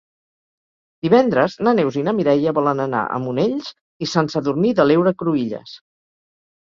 Divendres na Neus i na Mireia volen anar a Monells i Sant Sadurní de l'Heura Cruïlles.